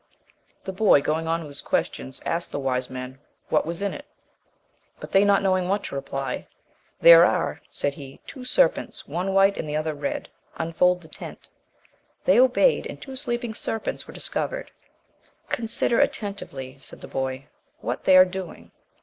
The boy, going on with his questions, asked the wise men what was in it? But they not knowing what to reply, "There are," said he, "two serpents, one white and the other red; unfold the tent;" they obeyed, and two sleeping serpents were discovered; "consider attentively," said the boy, "what they are doing."